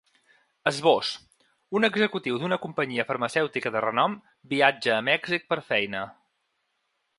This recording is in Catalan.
Esbós: Un executiu d’una companyia farmacèutica de renom viatja a Mèxic per feina.